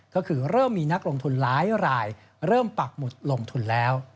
ก็คือเริ่มมีนักลงทุนหลายรายเริ่มปักหมุดลงทุนแล้ว